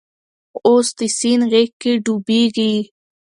اوس د سیند غیږ کې ډوبیږې